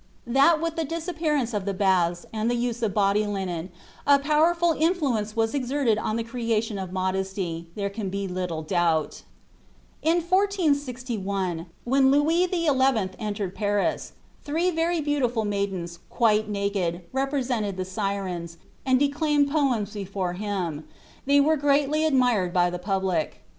That with the disappearance of the baths, and the use of body linen, a powerful influence was exerted on the creation of modesty, there can be little doubt." (Rudeck, op. cit., pp. 57, 399, etc.) In 1461, when Louis XI entered Paris, three very beautiful maidens, quite naked, represented the Syrens, and declaimed poems before him; they were greatly admired by the public.